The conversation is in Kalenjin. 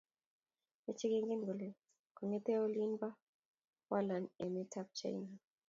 meche kengen kole kongete olin bo Wuhan emetab china